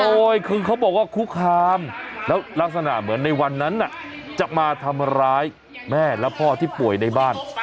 โดยคือเขาบอกว่าคุกคามแล้วลักษณะเหมือนในวันนั้นจะมาทำร้ายแม่และพ่อที่ป่วยในบ้าน